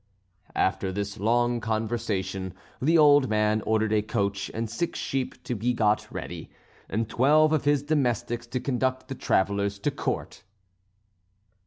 After this long conversation the old man ordered a coach and six sheep to be got ready, and twelve of his domestics to conduct the travellers to Court.